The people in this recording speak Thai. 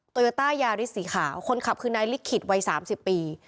ตัวยอต้ายาฤทธิ์สีขาวคนขับคืนนายลิขิตวัยสามสิบปี